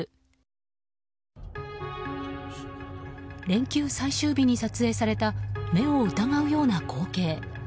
連休最終日に撮影された目を疑うような光景。